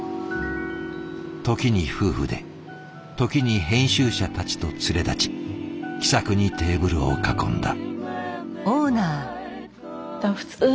時に夫婦で時に編集者たちと連れ立ち気さくにテーブルを囲んだ。